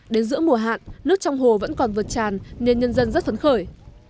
đến giữa mùa hạn nước trong hồ vẫn còn vượt tràn nên nhân dân rất phấn khởi